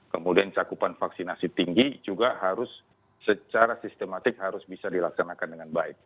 kemudian cakupan vaksinasi tinggi juga harus secara sistematik harus bisa dilaksanakan dengan baik